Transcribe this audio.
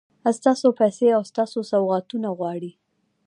ستاسو پیسې او ستاسو سوغاتونه غواړي.